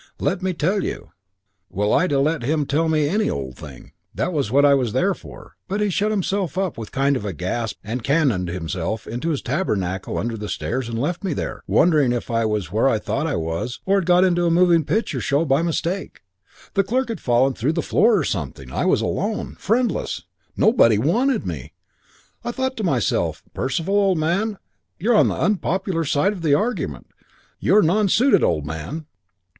'Let me tell you ' "Well, I'd ha' let him tell me any old thing. That was what I was there for. But he shut himself up with a kind of gasp and cannoned himself into his tabernacle under the stairs and left me there, wondering if I was where I thought I was, or had got into a moving picture show by mistake. The clerk had fallen through the floor or something. I was alone. Friendless. Nobody wanted me. I thought to myself, 'Percival, old man, you're on the unpopular side of the argument. You're nonsuited, old man.'